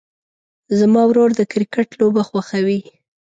زما ورور د کرکټ لوبه خوښوي.